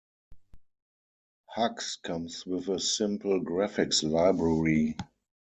Hugs comes with a simple graphics library.